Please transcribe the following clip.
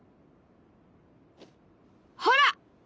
ほら！